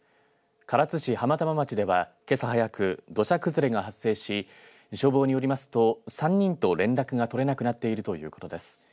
唐津市浜玉町では、けさ早く土砂崩れが発生し消防によりますと３人と連絡が取れなくなっているということです。